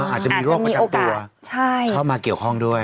อาจจะมีโรคประจำตัวเข้ามาเกี่ยวข้องด้วย